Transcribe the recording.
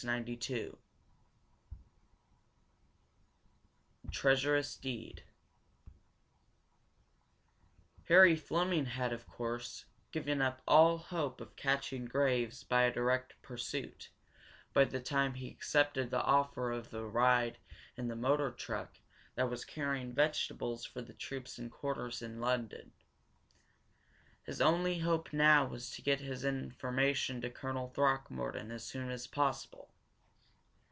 CHAPTER XIII A TREACHEROUS DEED Harry Fleming had, of course, given up all hope of catching Graves by a direct pursuit by the time he accepted the offer of a ride in the motor truck that was carrying vegetables for the troops in quarters in London. His only hope now was to get his information to Colonel Throckmorton as soon as possible.